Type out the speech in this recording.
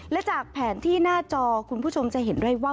และจากแผนที่หน้าจอคุณผู้ชมจะเห็นได้ว่า